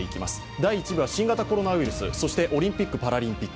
第１部は新型コロナウイルス、オリンピック・パラリンピック